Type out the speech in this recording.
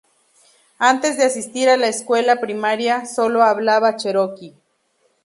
Antes de asistir a la escuela primaria, sólo hablaba cheroqui.